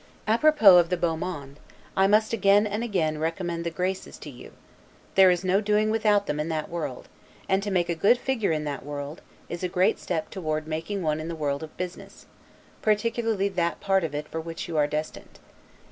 A propos of the beau monde, I must again and again recommend the Graces to you: There is no doing without them in that world; and, to make a good figure in that world, is a great step toward making one in the world of business, particularly that part of it for which you are destined.